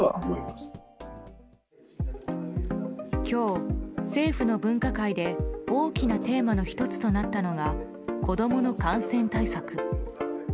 今日、政府の分科会で大きなテーマの１つとなったのが子供の感染対策。